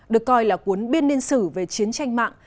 được coi là cuốn biên niên sử về chiến tranh mạng